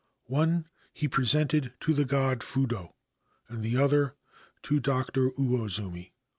One he presented to the god Fudo, and the other to Doctor Uozumi.